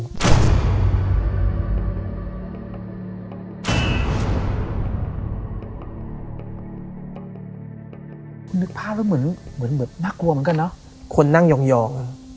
คุณนึกพลาดแล้วเหมือนเหมือนเหมือนเหมือนน่ากลัวเหมือนกันเนอะคนนั่งยองยอง